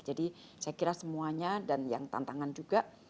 jadi saya kira semuanya dan yang tantangan juga ada di dalam